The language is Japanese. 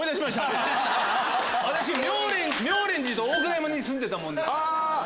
妙蓮寺と大倉山に住んでたもんで。